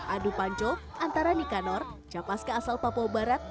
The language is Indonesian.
aduh panco antara nicanor capaska asal papua barat